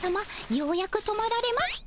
ようやく止まられました。